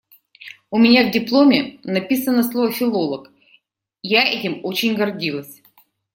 У меня в дипломе написано слово «филолог», я этим очень гордилась.